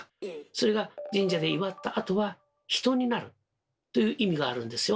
それが神社で祝ったあとは「人」になるという意味があるんですよ。